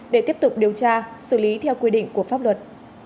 để tiếp tục điều tra xử lý theo quy định của pháp luật